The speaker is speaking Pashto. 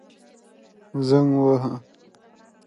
تولستوی د خپل وخت د ټولنې تضادونه سپړي.